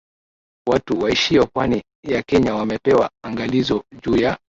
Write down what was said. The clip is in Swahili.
watu waishio pwani ya kenya wamepewa angalizo juu ya